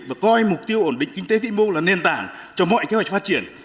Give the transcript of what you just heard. và coi mục tiêu ổn định kinh tế vĩ mô là nền tảng cho mọi kế hoạch phát triển